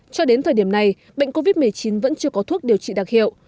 cho đến thời điểm này bệnh covid một mươi chín vẫn chưa có thuốc điều trị đặc hiệu